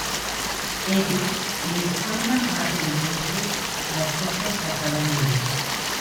Ellos les cuentan rápidamente las cosas que acaban de ver.